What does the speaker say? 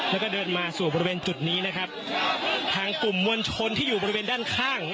แล้วก็เดินมาสู่บริเวณจุดนี้นะครับทางกลุ่มมวลชนที่อยู่บริเวณด้านข้าง